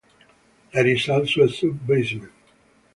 There is also a sub-basement.